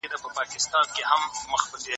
ته به کله د پښتنو فولکلوري کیسې ولولې؟